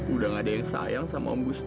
udah gak ada yang sayang sama om gustaf